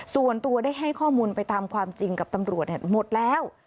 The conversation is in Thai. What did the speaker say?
ส่วนตัวได้ให้ข้อมูลไปตามความจริงกับตำรวจหมดแล้ว